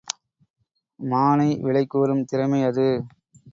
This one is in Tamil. மானை விலைகூறும் திறமை அது!